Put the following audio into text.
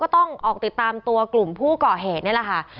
ต้องออกติดตามตัวกลุ่มผู้ก่อเหตุนี่แหละค่ะ